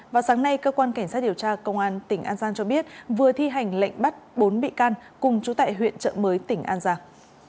vào sáng nay cơ quan cảnh sát điều tra công an tỉnh an giang cho biết vừa thi hành lệnh bắt bốn bị can cùng chú tại huyện trợ mới tỉnh an giang